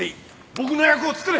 僕の役を作れ。